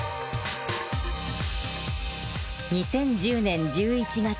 ２０１０年１１月。